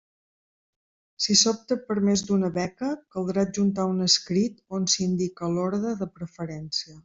Si s'opta per més d'una beca, caldrà adjuntar un escrit on s'indique l'orde de preferència.